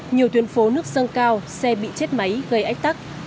nhiều tuyến phố nước dâng cao xe bị chết máy gây ách tắc